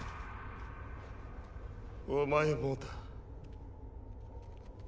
お前もだ